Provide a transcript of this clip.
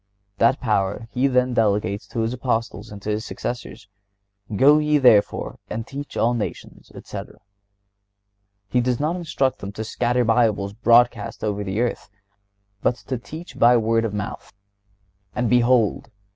That power He then delegates to His Apostles and to their successors: "Go ye, therefore, and teach all nations," etc. He does not instruct them to scatter Bibles broadcast over the earth, but to teach by word of mouth. "And behold!"